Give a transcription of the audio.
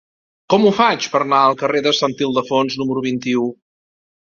Com ho faig per anar al carrer de Sant Ildefons número vint-i-u?